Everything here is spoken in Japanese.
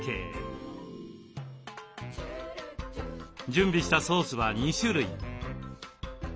準備したソースは２種類。